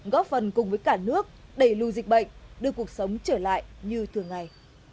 góp phần cùng với cả nước đẩy lùi dịch bệnh đưa cuộc sống trở lại như thường ngày